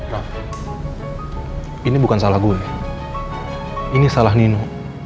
raff ini bukan salah gue ini salah nino